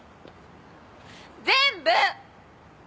全部！